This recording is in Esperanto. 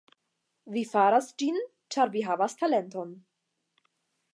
Vi faras ĝin ĉar vi havas talenton.